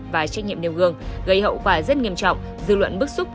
và trách nhiệm nêu gương gây hậu quả rất nghiêm trọng dư luận bức xúc